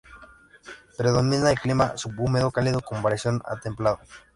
Predomina el clima subhúmedo cálido con variaciones a templado.